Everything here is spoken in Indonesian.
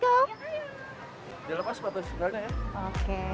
dia lepas sepatu segalanya ya